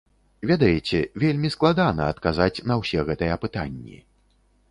Ведаеце, вельмі складана адказаць на ўсе гэтыя пытанні.